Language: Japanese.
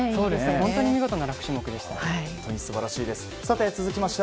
本当に見事な６種目でした。